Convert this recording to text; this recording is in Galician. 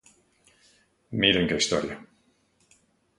Miren que historia.